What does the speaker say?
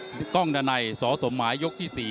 กล้องดันัยสสมหมายยกที่๔